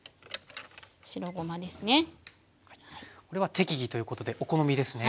これは適宜ということでお好みですね。